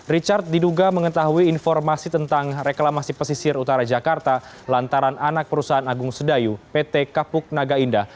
richard diduga mengetahui informasi tentang reklamasi pesisir utara jakarta lantaran anak perusahaan agung sedayu pt kapuk naga indah